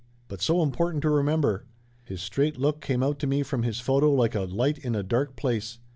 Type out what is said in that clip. But so important to remember! His straight look came out to me from his photo like a light in a dark place.